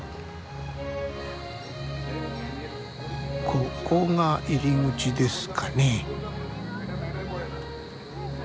ここが入り口ですかね。